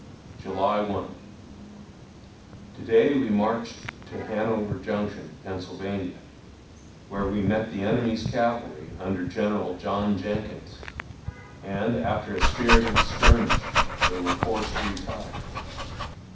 July 1. To day we marched to Hanover Junction, Pennsylvania, where we met the enemy's cavalry under General John Jenkins, and, after a spirited skirmish, they were forced to retire.